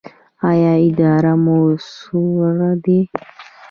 ایا ادرار مو سور دی؟